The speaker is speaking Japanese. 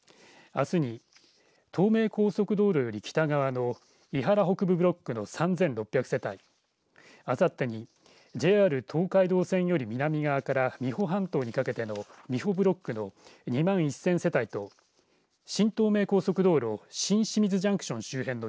あすに、東名高速道路より北側の庵原北部ブロックの３６００世帯あさってにＪＲ東海道線より南側から三保半島にかけての三保ブロックの２万１０００世帯と新東名高速道路新清水ジャンクション周辺の